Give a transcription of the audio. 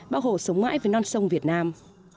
bảo hộ sống mãi với non sông việt nam